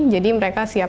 jadi mereka siap